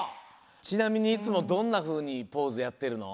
ちなみにいつもどんなふうにポーズやってるの？